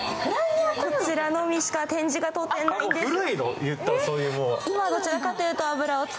こちらのみしか展示が当店、ないんです。